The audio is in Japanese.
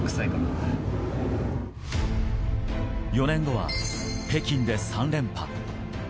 ４年後は北京で３連覇。